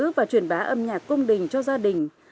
lưu giữ và truyền bá âm nhạc cung đình cho gia đình